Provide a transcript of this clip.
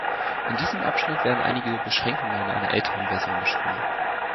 In diesem Abschnitt werden einige Beschränkungen einer älteren Version beschrieben.